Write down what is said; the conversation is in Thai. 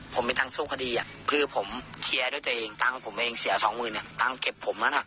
ผมไม่ตั้งสู้คดีคือผมเคลียร์ด้วยตัวเองตั้งผมเองเสีย๒๐๐๐๐ตั้งเก็บผมแล้วนะ